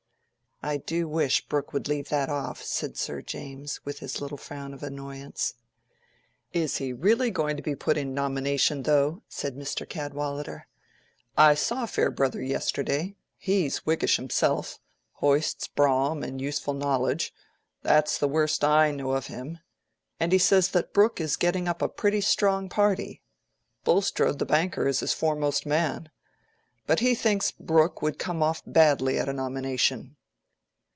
"I do wish Brooke would leave that off," said Sir James, with his little frown of annoyance. "Is he really going to be put in nomination, though?" said Mr. Cadwallader. "I saw Farebrother yesterday—he's Whiggish himself, hoists Brougham and Useful Knowledge; that's the worst I know of him;—and he says that Brooke is getting up a pretty strong party. Bulstrode, the banker, is his foremost man. But he thinks Brooke would come off badly at a nomination."